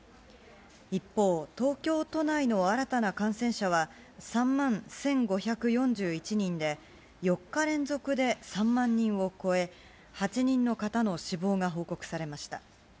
一方、東京都内の新たな感染者は３万１５４１人で、４日連続で３万人を超え、８人の方の死亡が報告されました。